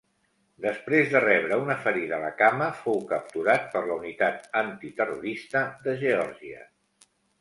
Després de rebre una ferida a la cama, fou capturat per la unitat antiterrorista de Geòrgia.